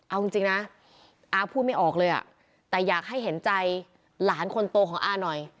เอาจริงนะอาพูดไม่ออกเลยอ่ะแต่อยากให้เห็นใจหลานคนโตของอาหน่อย